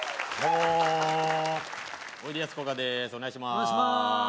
お願いします